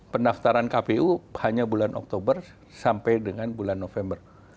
pendaftaran kpu hanya bulan oktober sampai dengan bulan november